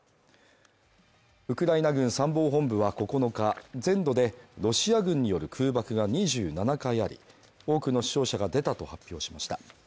ウクライナ軍参謀本部は９日、全土でロシア軍による空爆が２７回あり多くの死傷者が出たと発表しました。